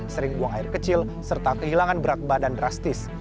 sering buang air kecil serta kehilangan berat badan drastis